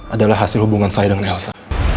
adalah hasil hubungan saya dengan elsa